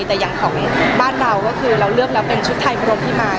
แต่อย่างของบ้านเราก็คือเราเลือกแล้วเป็นชุดไทยพรมพิมาย